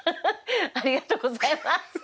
ありがとうございます！